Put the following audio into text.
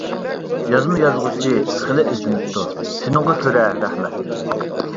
يازما يازغۇچى خېلى ئىزدىنىپتۇ، شۇنىڭغا كۆرە رەھمەت.